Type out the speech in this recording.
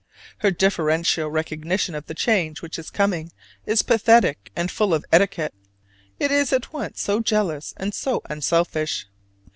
Her deferential recognition of the change which is coming is pathetic and full of etiquette; it is at once so jealous and so unselfish.